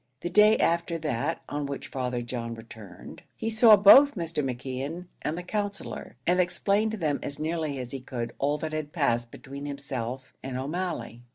The day after that on which Father John returned, he saw both Mr. McKeon and the Counsellor, and explained to them as nearly as he could all that had passed between himself and O'Malley.